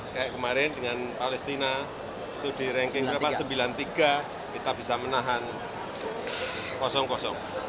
kayak kemarin dengan palestina itu di ranking sembilan puluh tiga kita bisa menahan kosong kosong